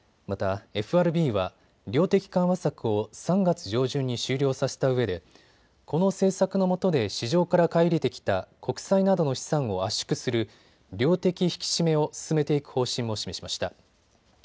また、ＦＲＢは量的緩和策を３月上旬に終了させたうえでこの政策のもとで市場から買い入れてきた国債などの資産を圧縮する量的引き締めを進めていく方針も示しました。